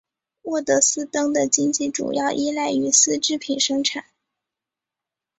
沃德斯登的经济主要依赖于丝织品生产。